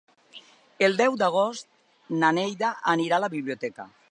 El deu d'agost na Neida anirà a la biblioteca.